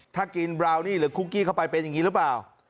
ถ้ากินบราวนี่หรือคุกกี้เข้าไปเป็นอย่างนี้หรือเปล่า